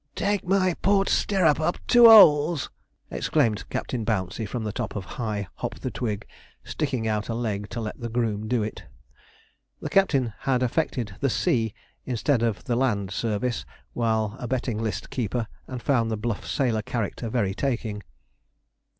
'Take my port stirrup up two 'oles!' exclaimed Captain Bouncey from the top of high Hop the twig, sticking out a leg to let the groom do it. The captain had affected the sea instead of the land service, while a betting list keeper, and found the bluff sailor character very taking.